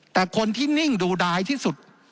แต่คนที่นิ่งดูดายที่สุด